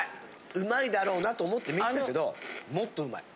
うまいだろうなと思って見てたけどもっとうまい。